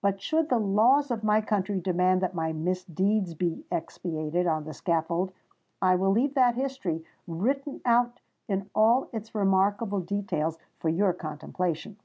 But should the laws of my country demand that my misdeeds be expiated on the scaffold, I will leave that history, written out in all its remarkable details, for your contemplation."